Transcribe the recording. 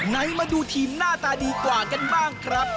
ไหนมาดูทีมหน้าตาดีกว่ากันบ้างครับ